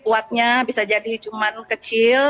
puatnya bisa jadi cuman kecil